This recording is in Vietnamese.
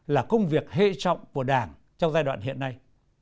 là công việc hệ trọng của đảng trong giai đoạn hiện nay